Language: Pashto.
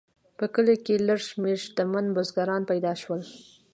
په کلیو کې لږ شمیر شتمن بزګران پیدا شول.